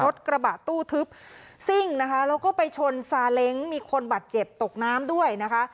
รถกระบะตู้ทึบซิ่งนะคะแล้วก็ไปชนซาเล้งมีคนบาดเจ็บตกน้ำด้วยนะคะ